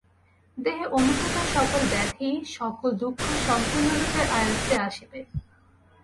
দেহে অনুভূত সকল ব্যাধি, সকল দুঃখ সম্পূর্ণরূপে আয়ত্তে আসিবে।